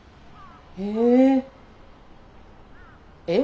へえ。